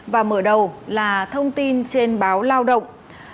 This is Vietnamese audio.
và mở đầu là thông tin trên báo lao động